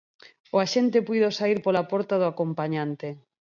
O axente puido saír pola porta do acompañante.